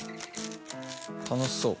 楽しそう。